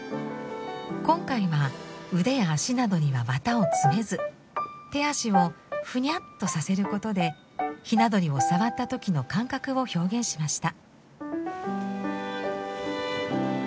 今回は腕や足などには綿を詰めず手足をフニャッとさせることでひな鳥を触った時の感覚を表現しました。